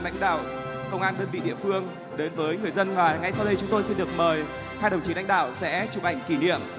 lãnh đạo công an đơn vị địa phương đến với người dân ngay sau đây chúng tôi xin được mời hai đồng chí đánh đạo sẽ chụp ảnh kỷ niệm